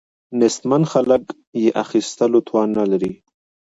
نیستمن خلک یې اخیستلو توان ولري.